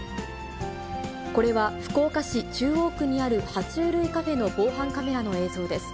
これは福岡市中央区にあるは虫類カフェの防犯カメラの映像です。